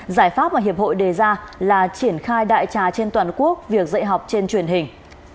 giải pháp mà hiệp hội đề ra là triển khai đại trà trên toàn quốc việc dạy học trên truyền hình